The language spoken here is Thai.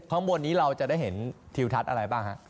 ข้างบนนี้เราจะได้เห็นทิวทัศน์อะไรบ้างฮะ